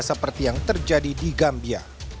seperti yang terjadi di gambia